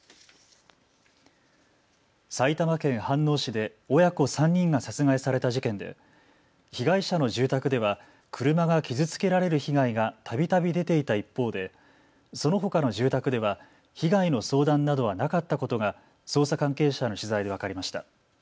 埼玉県飯能市で親子３人が殺害された事件で、被害者の住宅では車が傷つけられる被害がたびたび出ていた一方で、そのほかの住宅では被害の相談などはなかったことが捜査関係者への取材で分かりました。